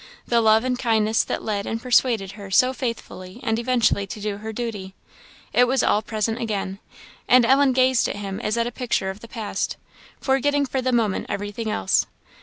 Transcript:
the love and kindness that led and persuaded her so faithfully and eventually to do her duty it was all present again; and Ellen gazed at him as at a picture of the past, forgetting for the moment everything else.